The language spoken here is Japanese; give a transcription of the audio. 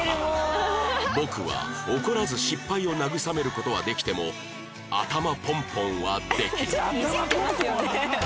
僕は怒らず失敗を慰める事はできても頭ポンポンはできない